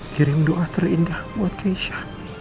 kirim doa terindah buat keisha